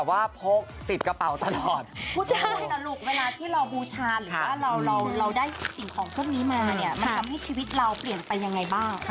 ว่าเราได้สิ่งของเครื่องนี้มามันทำให้ชีวิตเปลี่ยนไปยังไงบ้าง